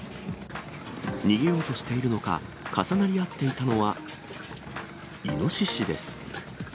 逃げようとしているのか、重なり合っていたのはイノシシです。